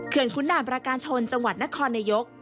เขื่อนคุณนามประกาศชนจังหวัดนครนยก